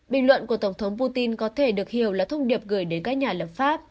bình luận của tổng thống putin có thể được hiểu là thông điệp gửi đến các nhà lập pháp